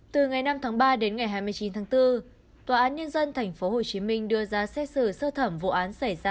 từ ngày năm tháng ba đến ngày hai mươi chín tháng bốn tòa án nhân dân tp hcm đưa ra xét xử sơ thẩm vụ án xảy ra